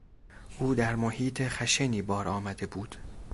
او در محیط خشنی بار آمده بود.